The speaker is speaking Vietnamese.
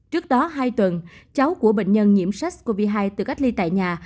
trước đó hai tuần cháu của bệnh nhân nhiễm sars cov hai từ cách ly tại nhà